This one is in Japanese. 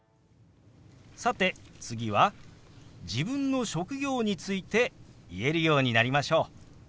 さて次は自分の職業について言えるようになりましょう。